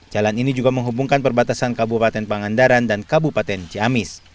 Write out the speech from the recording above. jalan ini juga menghubungkan perbatasan kabupaten pangandaran dan kabupaten ciamis